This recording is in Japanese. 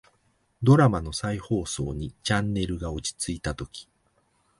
ドラマの再放送にチャンネルが落ち着いたとき、